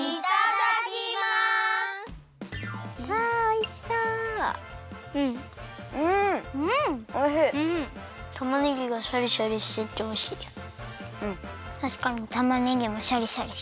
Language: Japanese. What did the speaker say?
たしかにたまねぎもシャリシャリしてる。